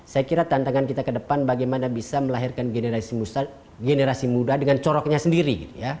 saya kira tantangan kita ke depan bagaimana bisa melahirkan generasi muda dengan coroknya sendiri